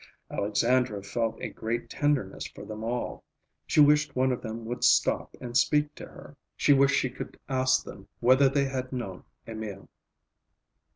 Alexandra felt a great tenderness for them all. She wished one of them would stop and speak to her. She wished she could ask them whether they had known Emil.